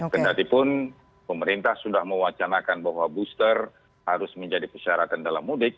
kendatipun pemerintah sudah mewacanakan bahwa booster harus menjadi persyaratan dalam mudik